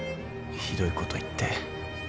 ひどいこと言って